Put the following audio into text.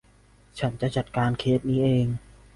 ฉันจะจัดการเคสนี้เอง